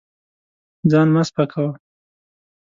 ځان مه سپکوه.